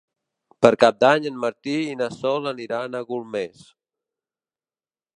Per Cap d'Any en Martí i na Sol aniran a Golmés.